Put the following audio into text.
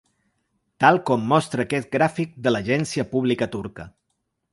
Tal com mostre aquest gràfic de l’agència pública turca.